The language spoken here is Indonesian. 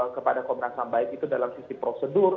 kepada komnas ham baik itu dalam sisi prosedur